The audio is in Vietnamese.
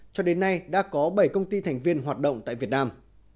cho đến nay đã có bảy công ty thành viên hoạt động tại việt nam